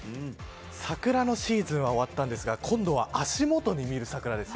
桜のシーズンは終わったんですが今度は足元に見る桜です。